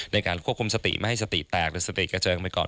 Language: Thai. ในการควบคุมสติไม่ให้สติแตกหรือสติกระเจิงไปก่อน